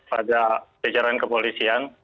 pada pejaran kepolisian